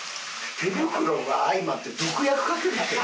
手袋が相まって毒薬かける人やん。